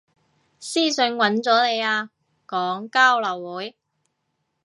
私訊搵咗你啊，講交流會